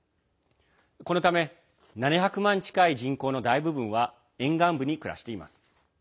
このため７００万近い人口の大部分は沿岸部に暮らしています。